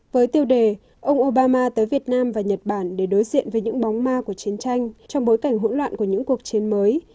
với tiêu đề ông obama tới việt nam và nhật bản để đối diện với những bóng ma của chiến tranh trong bối cảnh hỗn loạn của những cuộc chiến mới